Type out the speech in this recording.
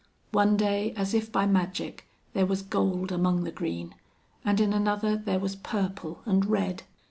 One day, as if by magic, there was gold among the green, and in another there was purple and red.